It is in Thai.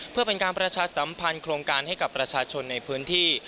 เพื่อเป็นการประชาสัมพันธ์โครงการให้กับประชาชนในพื้นที่